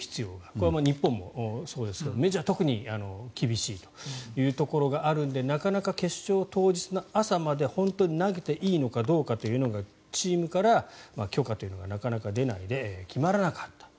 これは日本もそうですがメジャーは特に厳しいというところがあるのでなかなか決勝当日の朝まで本当に投げていいのかどうかというのがチームから許可というのがなかなか出ないで決まらなかった。